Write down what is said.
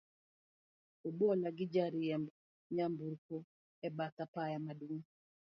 obola gi jariemb nyamburko, e bath apaya maduong